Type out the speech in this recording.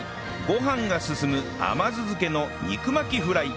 ご飯がすすむ甘酢漬けの肉巻きフライ